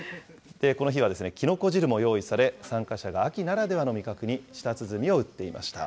この日はきのこ汁も用意され、参加者が秋ならではの味覚に舌鼓を打っていました。